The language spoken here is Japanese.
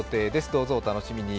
どうぞお楽しみに。